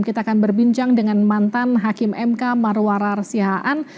kita akan berbincang dengan mantan hakim mk marwarar siaan